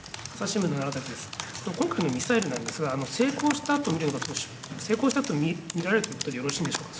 今回のミサイルなんですが、成功したと見られるということでよろしいんでしょうか。